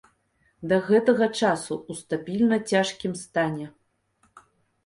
Да гэтага часу ў стабільна цяжкім стане.